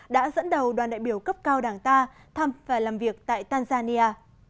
đã dẫn đầu đoàn đại biểu cấp cao đảng ta thăm và làm việc tại tanzania